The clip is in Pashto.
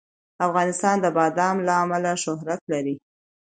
افغانستان د بادام له امله شهرت لري.